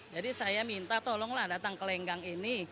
jadi saya minta tolonglah datang ke lenggang ini